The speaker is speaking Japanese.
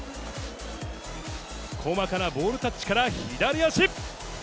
細かなボールタッチから左足。